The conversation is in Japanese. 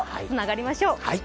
つながりましょう。